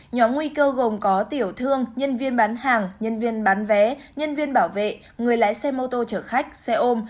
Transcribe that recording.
nhóm nguy cơ gồm có tiểu thương nhân viên bán hàng nhân viên bán vé nhân viên bảo vệ người lái xe mô tô chở khách xe ôm